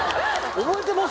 覚えてます？